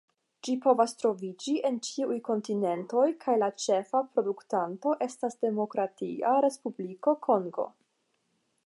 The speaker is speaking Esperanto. Ĝi povas troviĝi en ĉiuj kontinentoj, kaj la ĉefa produktanto estas Demokratia Respubliko Kongo.